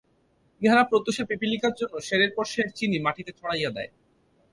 ইহারা প্রত্যুষে পিপীলিকার জন্য সেরের পর সের চিনি মাটিতে ছড়াইয়া দেয়।